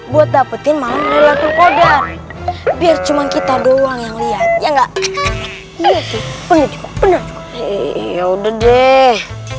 buat dapetin malah terkodan biar cuma kita doang yang lihat ya nggak ya udah deh